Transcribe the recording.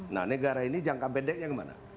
nah negara ini jangka pendeknya gimana